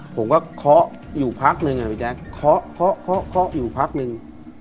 ผมก็เคาะอยู่พักนึงอ่ะพี่แจ๊กเคาะเคาะเคาะเคาะอยู่พักนึง